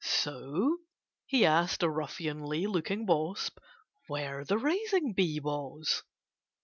So he asked a ruffianly looking wasp where the raising bee was.